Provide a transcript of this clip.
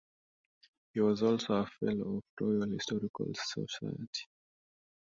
He was also a Fellow of the Royal Historical Society.